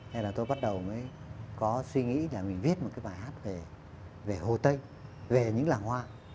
hay là tôi bắt đầu mới có suy nghĩ nhà mình viết một cái bài hát về hồ tây về những làng hoa